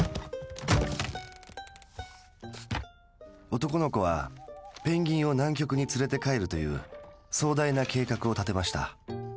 男の子はペンギンを南極に連れて帰るという壮大な計画を立てました。